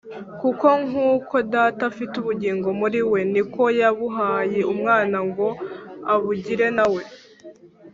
.…kuko nk’uko Data afite ubugingo muri we, niko yabuhaye Umwana ngo abugire na we